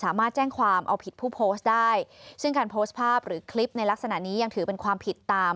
แจ้งความเอาผิดผู้โพสต์ได้ซึ่งการโพสต์ภาพหรือคลิปในลักษณะนี้ยังถือเป็นความผิดตาม